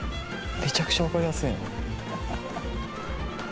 めちゃくちゃ分かりやすいな。